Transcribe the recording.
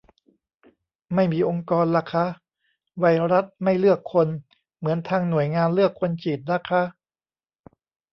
ไม่มีองค์กรละคะ ไวรัสไม่เลือกคน เหมือนทางหน่วยงานเลือกคนฉีดนะคะ